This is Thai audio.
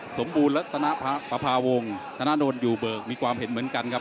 สมบูรณ์และภาพาวงศ์มีความเห็นเหมือนกัน